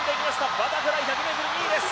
バタフライ１００ｍ、２位です。